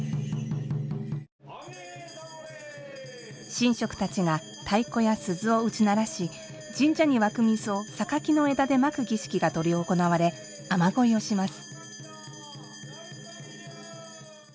神職たちが太鼓や鈴を打ち鳴らし神社に湧く水をさかきの枝でまく儀式が執り行われ雨乞いをします。